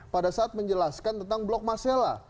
pada saat menjelaskan tentang blok masela